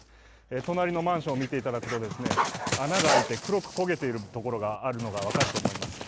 隣のマンションを見ていただくと穴が開いて黒く焦げているところがあるのが分かると思います。